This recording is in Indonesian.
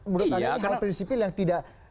menurut anda ini hal prinsipil yang tidak